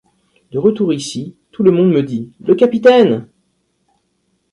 De retour ici, tout le monde me dit :« le capitaine !